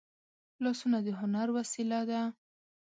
لاسونه د هنر وسیله ده